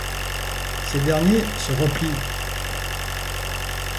Ces derniers se replient.